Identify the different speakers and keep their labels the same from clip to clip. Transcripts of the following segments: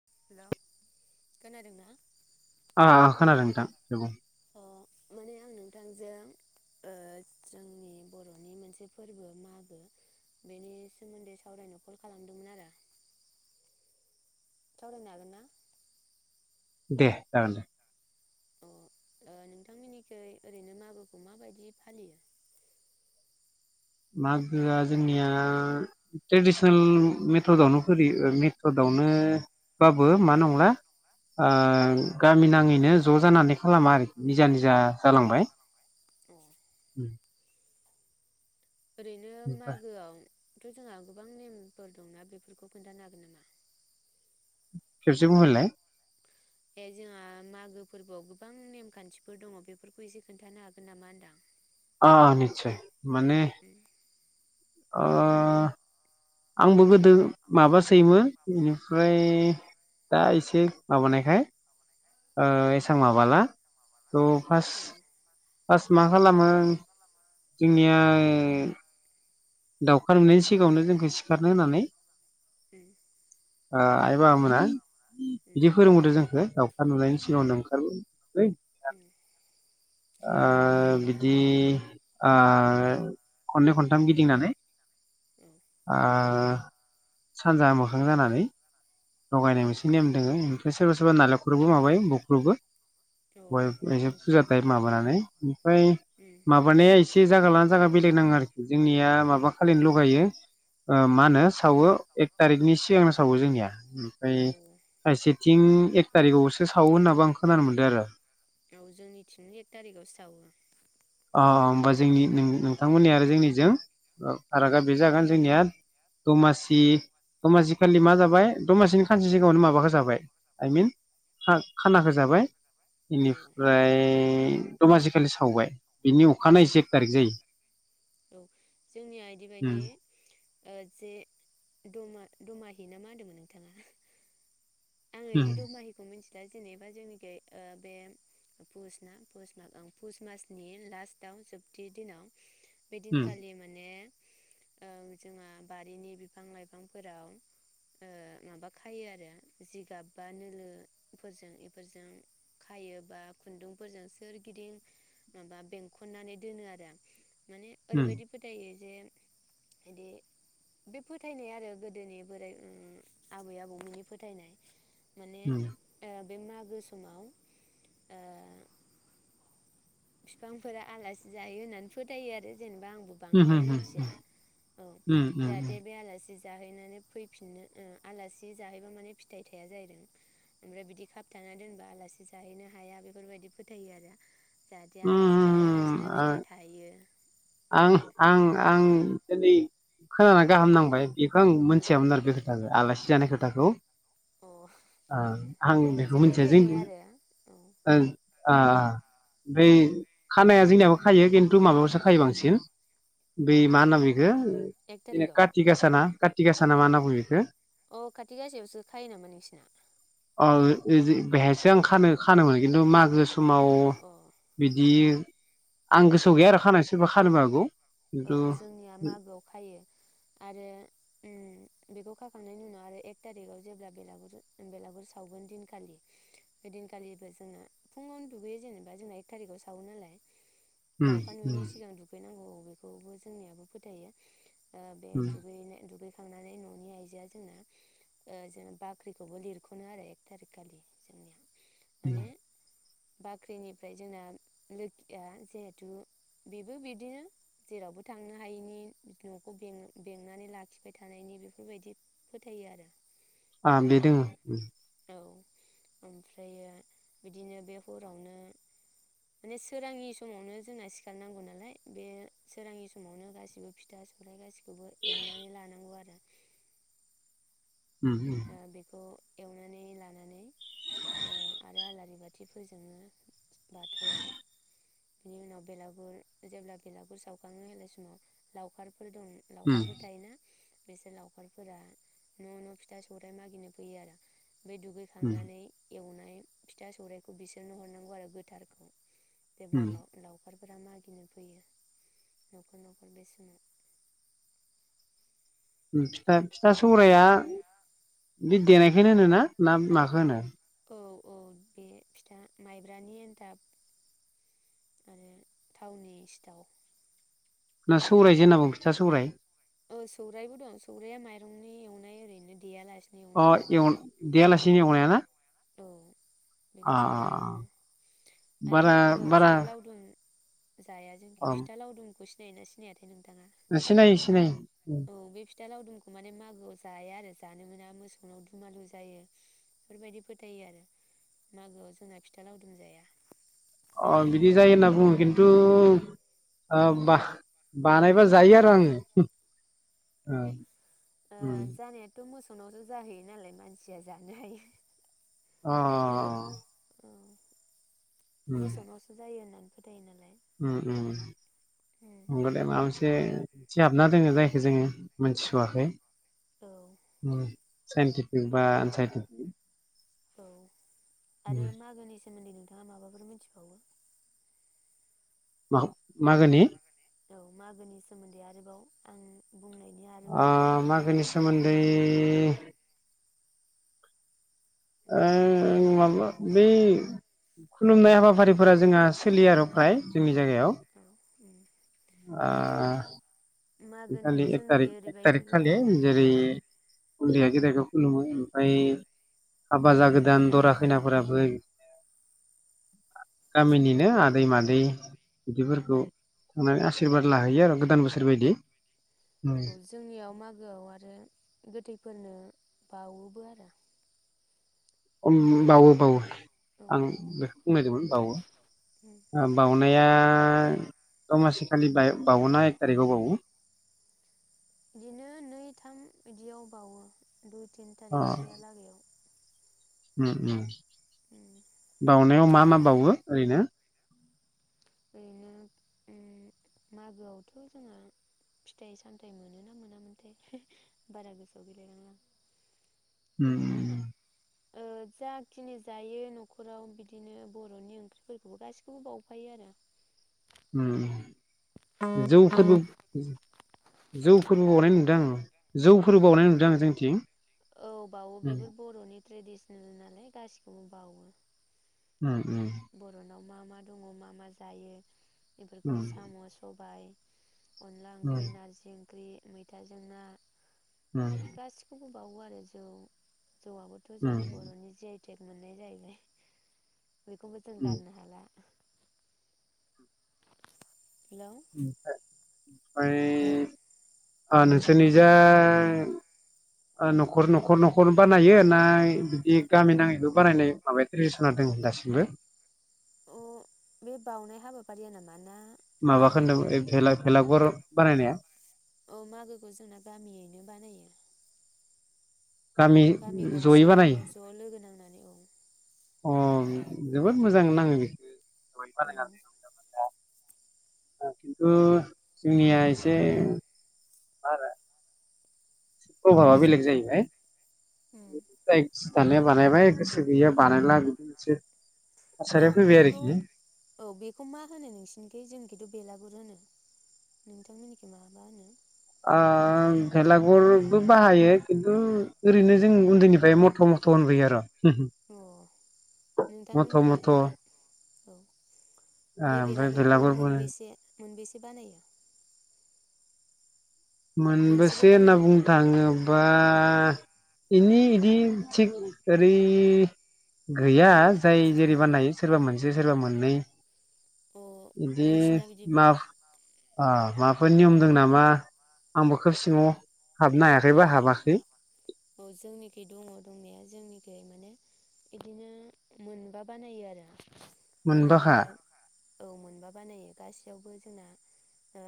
Speaker 1: हेल' खोनादों ना
Speaker 2: आ खोनादों नोंथां दे बुं
Speaker 1: अ माने आं नोंथांजों ओ जोंनि बर'नि मोनसे फोरबो मागो बेनि सोमोन्दै सावरायनो कल खालामदोंमोन आरो सावरायनो हागोनना?
Speaker 2: दे जागोन दे।
Speaker 1: अ नोंथांमोननिखै ओरैनो मागोखौ माबायदि फालियो?
Speaker 2: मागोआ जोंनिया ट्रेडिसनेल मेथडआवनो फियो ओ मेथडआवनो बाबो मा नंला आ गामि नाङैनो ज जानानै खालामा आरोखि निजा निजा जालांबाय।
Speaker 1: अ
Speaker 2: उम
Speaker 1: ओरैनो मागोआव थ जोंहा गोबां नेमफोर दंना बेफोरखौ खोन्थानो हागोन नामा?
Speaker 2: खेबसे बुंहरलाय।
Speaker 1: ए जोंहा मागो फोरबोआव गोबां नेमखान्थिफोर दङ बेफोरखौ एसे खोन्थानो हागोन नामा होनदां?
Speaker 2: आ [unintelligible] माने
Speaker 1: उम
Speaker 2: अ आंबो गोदो माबासोयोमोन बेनिफ्राय दा एसे माबानायखाय ओ एसां माबाला थ
Speaker 1: अ
Speaker 2: फासट फार्स्ट मा खालामो जोंनिया दाउखा मोननायनि सिगाङावनो जोंखौ सिखारनो होननानै
Speaker 1: उम
Speaker 2: ओ आइ बाबामोना
Speaker 1: उम
Speaker 2: बिदि फोरोंबोदो जोंखो। सान नुनायनि सिगाङावनो ओंखार
Speaker 1: [inaudible]
Speaker 2: ओ
Speaker 1: माने
Speaker 2: बिदि। आ खननै खनथाम गिदिंनानै
Speaker 1: औ
Speaker 2: आ सानजा मोखां जानानै
Speaker 1: औ
Speaker 2: लगायनाय मोनसे नेम दोङो ओमफ्राय सोरबा सोरबा नालेंखरबो माबायो बुख्रुबो।
Speaker 1: औ नोंसिनि
Speaker 2: [unintelligible] ओमफ्राय माबानानै ओमफ्राय
Speaker 1: उम
Speaker 2: माबानाया एसे जागा लाना जागा बेलेग नाङा आरो। जोंनिया
Speaker 1: औ
Speaker 2: माबा खालिनो लगायो। ओ मा होनो सावो एक थारिखनि सिगांनो सावो जोंनिया ओमफ्राय
Speaker 1: औ
Speaker 2: खायसेथिं एक थारिखआवसो सावो होनाबो आं खोनानो मोनदों आरो।
Speaker 1: औ जोंनि थिनि एक थारिखावसो सावो।
Speaker 2: अ होमबा जोंनि नों-नोंथांमोननि आरो जोंनिजों
Speaker 1: उम
Speaker 2: फारागा बे जागोन जोंनिया दमासि दमासि खालि मा जाबाय दमासिनि खानसे सिगाङावनो माबाखो जाबाय आइ मिन खा-खानाखौ जाबाय।
Speaker 1: औ
Speaker 2: इनिफ्राय ए दमासि खालि सावबाय बिनि
Speaker 1: उम
Speaker 2: अखानायैसो एक थारिख जायो।
Speaker 1: औ जोंनिया इदि बादि
Speaker 2: उम
Speaker 1: ओ जे दमा-दमाहि ना मा होनदोंमोन नोंथाङा? आङो बिदि दमाहिखौ मिथि दा जेनेबा जोंनिखि ओ बे पुसना पुस मासनि लास्टाव जोबथि दिनाव
Speaker 2: उम
Speaker 1: बेदिनखालि माने ओ जोंहा बारिनि बिफां लाइफांफोराव ओ माबा खायो आरो जिगाब बा नोलोफोरजों बेफोरजों खायो बा खुन्दुंफोरजों सोरगिदिं माबा बेंखननानै दोनो आरो। माने
Speaker 2: उम
Speaker 1: ओरैबायदि फोथायो। जे इदि बे फोथायनाय आरो गोदोनि बोराइ मुं आबै आबौमोननि फोथायनाय। माने
Speaker 2: उम
Speaker 1: ओ बे मागो समाव ओ बिफांफोरा आलासि जायो होननानै फोथायो आरो। जेनबा आंबो
Speaker 2: उम उम
Speaker 1: बांद्राय
Speaker 2: उम
Speaker 1: मिथिया
Speaker 2: उम
Speaker 1: जाहाथे
Speaker 2: उम
Speaker 1: बे आलासि जाहैनानै फैफिननो आलासि जाहैबा माने फिथाइ थाया जाहैदों ओमफ्राय बिदि खाबथाना दोनबा आलासि जाहैनो हाया बेफोरबायदि फोथायो आरो। जाहाथे आलासि जाहैयालासिनो फिथाइ थाहैयो।
Speaker 2: आं-आं आं दिनै खोनानानै गाहाम नांबाय। एखो मोनसियामोन आरो बे खोथाखो। आलासि जानाय खोथाखौ
Speaker 1: औ अ
Speaker 2: ओ आं
Speaker 1: बे
Speaker 2: बेखौ
Speaker 1: मोनसे
Speaker 2: मिथिया
Speaker 1: फोथायनाय
Speaker 2: जोंनिथिं
Speaker 1: आरो औ
Speaker 2: ओं आ आ। ओमफ्राय खानाया जोंनियाबो खायो खिन्थु माबायावसो। खायो बांसिन बै मा
Speaker 1: एक
Speaker 2: होनना [unintelligible]
Speaker 1: थारिखआव
Speaker 2: खाथि गासा ना खाथि गासा [unintelligible] मा होनना बुङो बिखौ?
Speaker 1: अ खाथि गासायावसो खायो नामा नोंसिना?
Speaker 2: ओ जों बेहायसो आं खानो खानोमोन खिन्थु मागो स समाव
Speaker 1: अ
Speaker 2: बिदि आं गोसोआव गैया खानायसो सोरबा खानोबो हागौ।
Speaker 1: औ
Speaker 2: खिन्थु
Speaker 1: जोंनिया मागोआव खायो आरो बेखौ खाखांनायनि उनाव आरो एक थारिखाव जेब्ला बेलागुर बेलागुर सावगोन दिनखालि बे दिनखालिबो जोंना फुङावनो दुगैयो जेनेबा जोंना एक थारिखाव सावो नालाय।
Speaker 2: उम
Speaker 1: दाउखा नुयैनि
Speaker 2: उम
Speaker 1: सिगां दुगैनांगौ। खौबो जोंनियाबो फोथायो। ओ बे
Speaker 2: उम
Speaker 1: दुगैनो [unintelligible] थांनानै ननि आइजोआ जोंना ओ जों बाख्रिखौबो लिरखनो आरो एक थारिक खालि जोंनिया।
Speaker 2: उम
Speaker 1: माने बाख्रिनिफ्राय जोंङो लोखिया जिहेथु बेबो बिदिनो। जेरावबो थांनो हायैनि नखौ बेंनानै लाखिबाय थानायनि बेफोरबायदि फोथायो आरो।
Speaker 2: आ बे दोङो।
Speaker 1: औ ओमफ्रायो बिदिनो बे हरावनो माने सोरांनि समावनो जोंना सिखार नांगौ नालाय बे सोराङी समावनो गासिबो फिथा सौरायाइ गासिबो बेखौबो एवनानै लानांगौ आरो।
Speaker 2: उम उम
Speaker 1: ओ बेखौ एवनानै लानानै ओ आरो आलारि बाथि फोजोंङो। बाथौआव। बिनि उनाव बेलागुर जेब्ला बेलागुर सावखाङो होनाय समाव लावखार फोर दं
Speaker 2: उम
Speaker 1: लावखारफोर थायोना। बिसोर लावखारफोरा न न फि था सौराइ मागिनो फैयो आरो। बे
Speaker 2: उम
Speaker 1: दुगैखांनानै एवनानै ओमफ्राय फिथा सौराइखौ बिसोरनो हरनांगौ आरो गोथारखौ।
Speaker 2: उम
Speaker 1: [unintelligible] नखरा मागिनो फैयो नखर नखर बे समाव।
Speaker 2: फिथा फिथा सौरायाया बे देनायखनो होनोना ना माखौ होनो?
Speaker 1: औ औ बे फिथा माइब्रानि एन्थाब आरो थावनि सिथाव।
Speaker 2: ना सौराय जे होनना बुं फिथा सौराय।
Speaker 1: औ सौरायाइबो दं सौरायाइया माइरंनि एवनाय ओरैनो देआलाय
Speaker 2: अ एवन देयालासि दिनि अनाया ना?
Speaker 1: औ
Speaker 2: अ
Speaker 1: बेखौ सौराय बुङो
Speaker 2: अ
Speaker 1: आरो
Speaker 2: बारा
Speaker 1: मागोआव
Speaker 2: बारा
Speaker 1: फिथा लावदुम। जाया
Speaker 2: अ
Speaker 1: जोंखि फिथा लावदुमखौ सिनायोना सिनाया
Speaker 2: सिनायो सिनायो।
Speaker 1: औ बे फिथा लावदुमखौ माने मागोआव जाया आरो जानो मोना मोसौनाव दुमालु जायो बेफोरबायदि फोथायो आरो मागोआव जोंना फिथा लावदुम जाया।
Speaker 2: अ बिदि जायो होनना बुङो खिन्थु ओ बाह बानायबा जायो आरो आङो।
Speaker 1: अ ओ
Speaker 2: ओ उम
Speaker 1: जानायाथ मोसौ फोरनावसो जाहैयो नालाय मानसिया जानो
Speaker 2: अ
Speaker 1: हायो। [unintelligible] मोसौनावसो जायो होननानै फोथायो नालाय।
Speaker 2: ओम ओम नंगौ दे माबा मोनसे थि हाबना दोङो जायखौ जोङो मोनथिसवाखै।
Speaker 1: औ
Speaker 2: औ साइन्टिफिक बा आनाइन्टिफिक।
Speaker 1: औ आरो मागोनि सोमोन्दै नोंथाङा माबाफोर मिथिबावो?
Speaker 2: [unintelligible] मागोनि
Speaker 1: औ मागोनि सोमोन्दै आरोबाव आं बुंनायनि
Speaker 2: अ
Speaker 1: आरोबाव
Speaker 2: मागोनि सोमोन [unintelligible] ओं माबा बै खुलुमनाय हाबाफारिफोरा जोंहा सोलिया आरो फ्रय जोंनि जायगाआव
Speaker 1: औ उम
Speaker 2: आ
Speaker 1: मागोनि
Speaker 2: बिखालि एक थारिख
Speaker 1: जोंनिखै
Speaker 2: एक थारिख
Speaker 1: ओरैबायदिबो
Speaker 2: खालि
Speaker 1: आरो
Speaker 2: जेरै उन्दैया गेदेरखौ खुलुमो ओमफाय हाबा
Speaker 1: उम
Speaker 2: जागोदान दरा खैनाफोराबो गामिनिनो आदै मादै बिदिफोरखौ थांनानै आसिरबाद लाहैयो आरो गोदान बोसोर बायदि।
Speaker 1: औ जोंनियाव मागोआव आरो गोथै फोरनो बावोबो आरो।
Speaker 2: उम
Speaker 1: नै
Speaker 2: बावो
Speaker 1: थाम
Speaker 2: बावो
Speaker 1: औ
Speaker 2: आं
Speaker 1: बावो
Speaker 2: बेखौ बुंनायदोंमोन बावो
Speaker 1: उम
Speaker 2: बाउनाइया दमासि खालि बावोना एक टारिकआव बावो?
Speaker 1: बिदिनो नै थाम बिदियाव बावो। दुइ तिन
Speaker 2: अ
Speaker 1: थारिखसोयालागैआव
Speaker 2: उम उम बाउनायाव मा मा बावो? ओरैनो
Speaker 1: ओरैनो उम मागोआवथ जोंहा फिथाइ सामथायाइ मोनो ना मोनामोनथाय बारा गोसोआव गैलायलांला।
Speaker 2: उम
Speaker 1: उ जाखिनि जायो नखराव बिदिनो बरनि ओंख्रिफोरखौबो गासिखौबो बावफायो आरो।
Speaker 2: उम जौफोरबो जौ फोरबो
Speaker 1: हा
Speaker 2: बावनाय नुदां। जौफोर
Speaker 1: मा
Speaker 2: बावनाय
Speaker 1: होनो
Speaker 2: नुदों आं जोंनिथिं।
Speaker 1: औ बावो बेफोर बर'नि ट्रेडिसनेल नालाय गासिखौबो बावो।
Speaker 2: उम उम
Speaker 1: बर'नाव मा मा दङ मा मा जायो? बेफोरखौ
Speaker 2: उम उम
Speaker 1: साम सबाय अनला ओंख्रि नार्जि ख्रि मैथाजों ना
Speaker 2: उम उम
Speaker 1: बेफोर गासिखौबो बाउवो आरो जौ जौआबोथ'
Speaker 2: उम
Speaker 1: जोंनि बर'नि जि आ [unintelligible] मोननाय जायैबाय बेखौबो जों
Speaker 2: उम
Speaker 1: गारनो हाला हेलौ
Speaker 2: [unintelligible] ओमफाय
Speaker 1: हेलौ
Speaker 2: ओ नोंसोरनिजा ओ नखर नखर नखर बानायो ना बिदि गामि नाङैबो बानायनाय माबाया ट्रेडिसना दङ दासिमबो
Speaker 1: अ बे बाउनाय हाबाफारिया नामा ना
Speaker 2: माबाखौ होनदों
Speaker 1: मागोखौ
Speaker 2: ओइ भेला-भेला गर बानायनाया
Speaker 1: औ मागोखौ जोंना गामियैनो बानायो गामि
Speaker 2: जयै बानायो
Speaker 1: गंसेयैनो ज' लोगो नांनानै औ
Speaker 2: अ जोबोद मोजां नाङो बेखो [unintelligible] खिन्थु जोंनिया एसे मा आरो अहाबा बेलेग जायैबाय
Speaker 1: औ
Speaker 2: [unintelligible] जानाया बानायबाय गोसो गैया बानायला बिदि मोनसे
Speaker 1: औ
Speaker 2: थासारिया फैबाय
Speaker 1: बेखौ
Speaker 2: आरोखि
Speaker 1: औ बेखौ मा होनो नोंसिनिखै जोंनिखैथ' बेला गुर होनो नोंथांमोननिखौ माबा होनो
Speaker 2: ओ भेलागुरबो बाहायो खिन्थु ओरैनो जों उन्दैनिफ्राय मथ' मथ' होनबोयो आरो [unintelligible]
Speaker 1: अ
Speaker 2: मथ'
Speaker 1: नोंथांमोननिखै
Speaker 2: मथ'
Speaker 1: बे औ बे
Speaker 2: ओमफ्राय
Speaker 1: बेलागुरखौ
Speaker 2: बेलागुर बो
Speaker 1: मोनबैसे मोनबेसे बानायो मोनसेल'
Speaker 2: मोनबेसे होनना
Speaker 1: बानायो
Speaker 2: बुंनो
Speaker 1: नामा?
Speaker 2: थाङोबा इनि इदि थिग ओरै गैया जाय जेरै बानायो सोरबा मोनसे सोरबा मोननै
Speaker 1: अ
Speaker 2: बिदि
Speaker 1: नोंसिना बिदि
Speaker 2: मा आ माबाफोर नियम दं नामा आंबो खोब सिङाव हाबनो हायाखै बा हाबाखै
Speaker 1: औ जोंनिखै दङ दंनाया जोंनिखै माने बिदिनो मोनबा बानायो आरो बे
Speaker 2: मोनबाखा
Speaker 1: मोनबाया औ मोनबा बानायो गासैयावबो जोंना ओ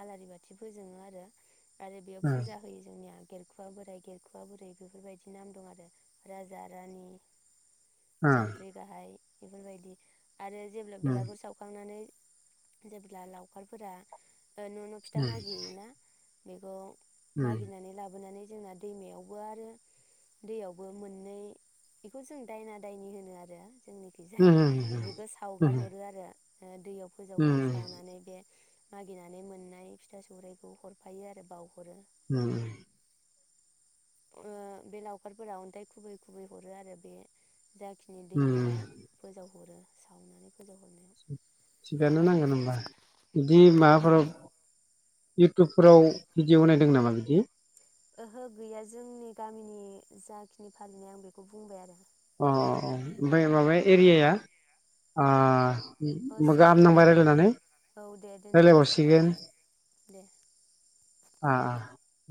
Speaker 1: आलारि बाथि फोजोङो आरो आरो बेयाव
Speaker 2: ओ
Speaker 1: फुजा होयो जोंनिया [unintelligible] [unintelligible] बुरै बेफोरबायदि नाम दं आरो राजा रानि
Speaker 2: ओ
Speaker 1: सानथ्रि गाहाइ बेफोरबायदि आरो जेब्ला
Speaker 2: उम
Speaker 1: बेलागुर सावखांनानै जेबोला लावखारफोरा ओ न' न' फिथा मागिहैयो ना बेखौ मागिनानै लाबोनानै जोंना दैमायाव बो आरो दैयावबो मोननै बेखौ जों दायना दायनि होनो आरो
Speaker 2: उम
Speaker 1: जोंनिखैजाय बेखौ
Speaker 2: उम
Speaker 1: सावगारहरो आरो ओ दैयाव
Speaker 2: उम
Speaker 1: फोजावहरो सावनानै बे मागिनानै मोननाय फिथा सौराइखौ हरफायो आरो बाउहरो
Speaker 2: उम
Speaker 1: ओ बे लावखारफोरा अन्थाइ खुबै खुबै हरो आरो बे जाखिनि दैमायाव फोजावहरो सावनानै फोजावहरनायाव
Speaker 2: थिग-थिगानो नांगोन होमबा बिदि
Speaker 1: उम
Speaker 2: माबाफोराव इउटुबफोराव भिडिय नायदों नामा बिदि
Speaker 1: ओहो गैया जोंनि गामिनि जाखिनि फालिनाय आं बेखौ बुंबाय आरो
Speaker 2: अ अ अ ओमफ्राय माबा एरियाया
Speaker 1: अ
Speaker 2: ओ गाहाम
Speaker 1: सरि
Speaker 2: नांबाय रायलायनानै
Speaker 1: औ दे दोनथ'नोसै
Speaker 2: रायज्लायबावसिगोन
Speaker 1: दे
Speaker 2: आह